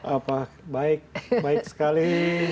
apa baik baik sekali